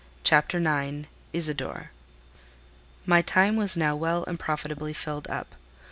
CHAPTER IX. ISIDORE. My time was now well and profitably filled up.